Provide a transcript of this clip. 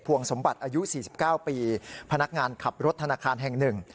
วงสมบัติอายุ๔๙ปีพนักงานขับรถธนาคารแห่งหนึ่ง